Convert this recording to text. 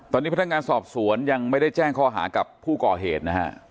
ตอนนี้พนักงานสอบสวนยังไม่ได้แจ้งข้อหากับผู้ก่อเหตุนะฮะ